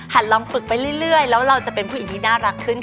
ลองฝึกไปเรื่อยแล้วเราจะเป็นผู้หญิงที่น่ารักขึ้นค่ะ